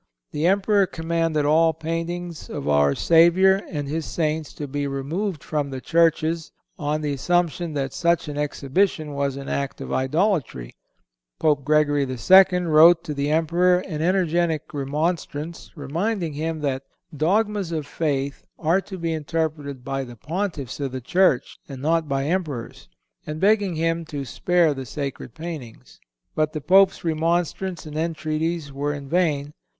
The Emperor commanded all paintings of our Savior and His saints to be removed from the churches on the assumption that such an exhibition was an act of idolatry. Pope Gregory II. wrote to the Emperor an energetic remonstrance, reminding him that "dogmas of faith are to be interpreted by the Pontiffs of the Church and not by emperors," and begging him to spare the sacred paintings. But the Pope's remonstrance and entreaties were in vain.